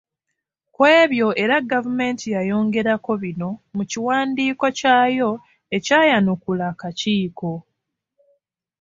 Ku ebyo era gavumenti yayongerako bino mu kiwandiiko kyayo ekyayanukula akakiiko.